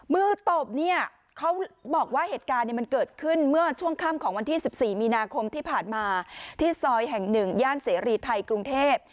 ตบเนี่ยเขาบอกว่าเหตุการณ์มันเกิดขึ้นเมื่อช่วงค่ำของวันที่๑๔มีนาคมที่ผ่านมาที่ซอยแห่ง๑ย่านเสรีไทยกรุงเทพ